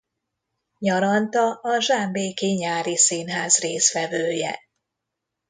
Nyaranta a Zsámbéki Nyári Színház részvevője.